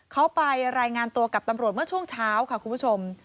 เขาไปรายงานตัวกับตำรวจเมื่อช่วงเช้าค่ะคุณผู้ชม